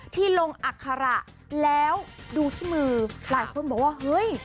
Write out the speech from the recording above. ที่ลงอัคระแล้วดูที่มือหลายคนบอกว่าเฮ้ย